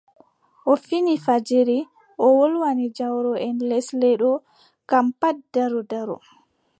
O fini fajiri, o wolwani jawroʼen lesle ɗo kam pat ndaro ndaro.